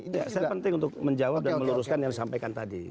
ya saya penting untuk menjawab dan meluruskan yang disampaikan tadi